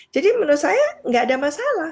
jadi menurut saya nggak ada masalah